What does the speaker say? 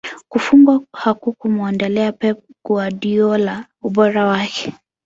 Kufungwa hakukumuondolea Pep Guardiola ubora wake